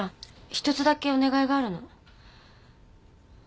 ひとつだけお願いがあるの。